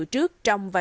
trước trong và sau